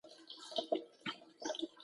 اصلي ارزښت باید له ځان څخه راټوکېږي.